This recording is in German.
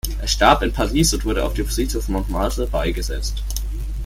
Er starb in Paris und wurde auf dem Friedhof Montmartre beigesetzt.